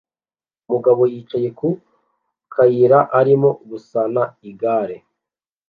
Umugabo yicaye ku kayira arimo gusana igare